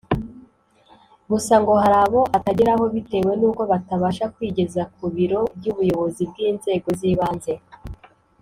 gusa ngo hari abo atageraho bitewe n’ uko batabasha kwigeza ku biro by’ ubuyobozi bw’ inzego z’ ibanze